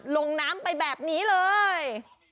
ลงน้ำไปแบบนี้เลย